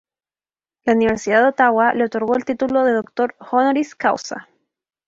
La Universidad de Ottawa le otorgó el título de Dr. Honoris Causa.